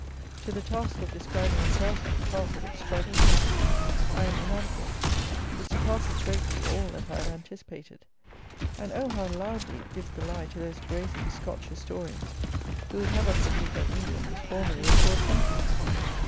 To the task of describing a thousandth part of its striking beauties I am inadequate; it surpasses greatly all that I had anticipated; and oh! how loudly it gives the lie to those brazen Scotch historians who would have us believe that England was formerly a poor country!